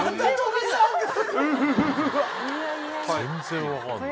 全然分かんない。